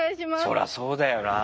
そりゃそうだよなぁ。